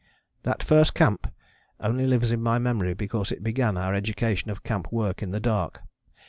That first camp only lives in my memory because it began our education of camp work in the dark.